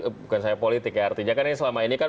bukan saya politik ya artinya kan ini selama ini kan